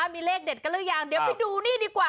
มีเลขเด็ดกันหรือยังเดี๋ยวไปดูนี่ดีกว่า